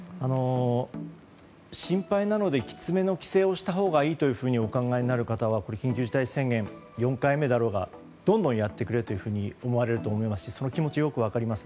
心配なのできつめの規制をしたほうがいいというふうにお考えになる方は緊急事態宣言が４回目だろうがどんどんやってくれと思われるでしょうしその気持ちもよく分かります。